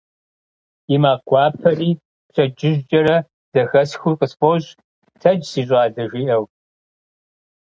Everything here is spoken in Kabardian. И макъ гуапэри пщэдджыжькӏэрэ зэхэсхыу къысфӏощӏ: «Тэдж, си щӏалэ», - жиӏэу.